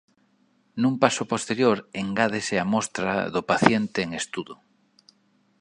Nun paso posterior engádese a mostra do paciente en estudo.